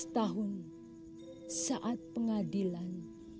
tujuh belas tahun saat pengadilan